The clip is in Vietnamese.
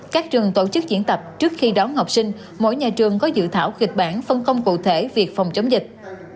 các trường tổ chức diễn tập trước khi đón học sinh mỗi nhà trường có dự thảo kịch bản phân công cụ thể việc phòng chống dịch